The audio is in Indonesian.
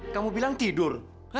kamu bilang tidur